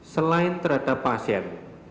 selain terhadap pasien